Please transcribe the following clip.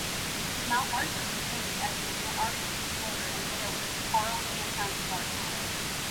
Mount Larsen is named after the Antarctic explorer and whaler Carl Anton Larsen.